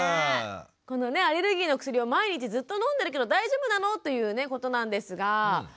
このアレルギーのお薬を毎日ずっと飲んでるけど大丈夫なの？ということなんですが。